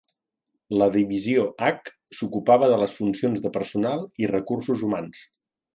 La Divisió H s'ocupava de les funcions de personal i recursos humans.